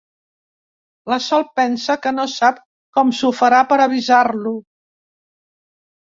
La Sol pensa que no sap com s'ho farà per avisar-lo.